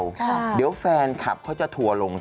ค่ะเดี๋ยวแฟนคลับเขาจะทัวร์ลง